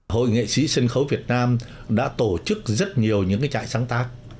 hội nghệ sĩ sân khấu việt nam đã tổ chức rất nhiều những trại sáng tác